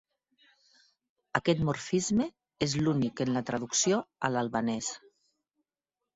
Aquest morfisme és únic en la traducció a l'albanès.